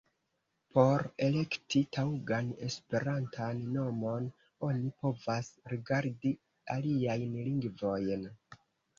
Por elekti taŭgan esperantan nomon, oni povas rigardi aliajn lingvojn.